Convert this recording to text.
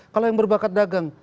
kalau yang berbakat dagang